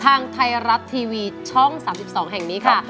ทางไทยรัฐทีวีช่อง๓๒แห่งนี้ค่ะ